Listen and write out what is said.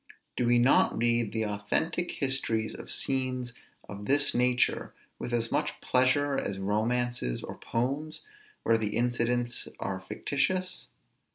Do we not read the authentic histories of scenes of this nature with as much pleasure as romances or poems, where the incidents are fictitious?